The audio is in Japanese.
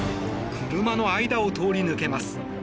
車の間を通り抜けます。